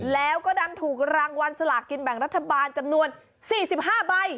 แล้วก็ดันถูกรางวัลสลากกินแบ่งรัฐบาลจำนวน๔๕ใบ